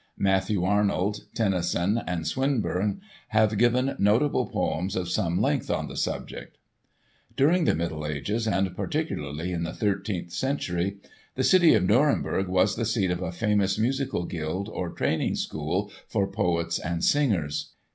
Matthew Arnold, Tennyson, and Swinburne have given notable poems of some length on the subject. During the Middle Ages, and particularly in the thirteenth century, the city of Nuremberg was the seat of a famous musical guild, or training school for poets and singers.